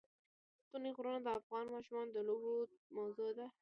ستوني غرونه د افغان ماشومانو د لوبو موضوع ده.